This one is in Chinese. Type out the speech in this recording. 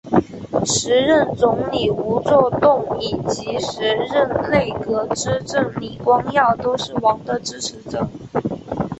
时任总理吴作栋以及时任内阁资政李光耀都是王的支持者。